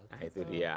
nah itu dia